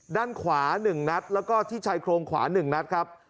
ด้านขวา๑นัดแล้วก็ที่ชายโครงขวา๑นัดครับ